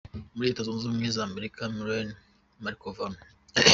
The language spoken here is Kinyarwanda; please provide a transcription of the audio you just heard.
muri Leta Zunze Ubumwe za Amerika, Milena Markovna